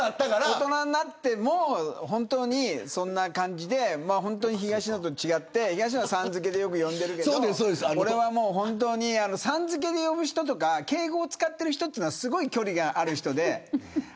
大人になっても本当にそんな感じで東野と違って、東野はさん付けでよく呼んでいるけど俺は、さん付けで呼ぶ人とか敬語を使っている人はすごく距離がある人で。